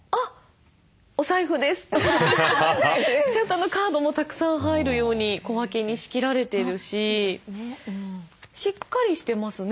ちゃんとカードもたくさん入るように小分けに仕切られてるししっかりしてますね。